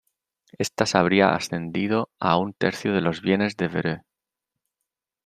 Estas habría ascendido a un tercio de los bienes Devereux.